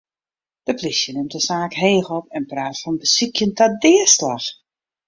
De plysje nimt de saak heech op en praat fan besykjen ta deaslach.